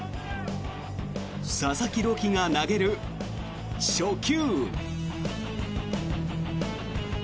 佐々木朗希が投げる初球。